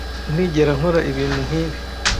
nigera nkora ibintu nkibi.